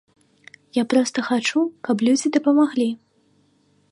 Я проста хачу, каб людзі дапамаглі.